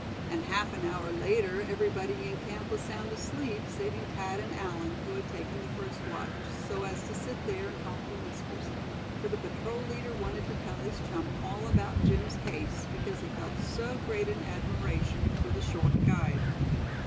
And half an hour later everybody in camp was sound asleep, saving Thad and Allan, who had taken the first watch, so as to sit there, and talk in whispers; for the patrol leader wanted to tell his chum all about Jim's case, because he felt so great an admiration for the short guide.